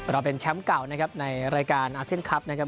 เราเป็นแชมป์เก่านะครับในรายการอาเซียนคลับนะครับ